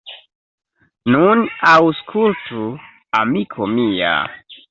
Nun aŭskultu, amiko mia.